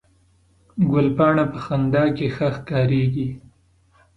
ګلپاڼه په خندا کې ښه ښکارېږي